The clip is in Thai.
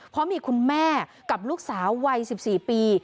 เพราะมีคุณแม่กับลูกสาววัย๑๔ปี